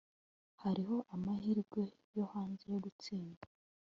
hariho amahirwe yo hanze yo gutsinda